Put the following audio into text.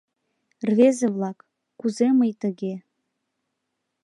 «Рвезе-влак, кузе мый тыге.